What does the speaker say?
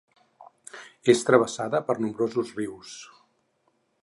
És travessada per nombrosos rius.